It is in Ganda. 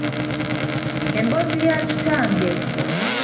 Emboozi ya kitange.